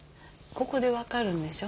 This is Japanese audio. ここで分かるんでしょ？